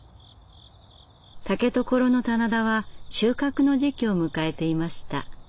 竹所の棚田は収穫の時期を迎えていました。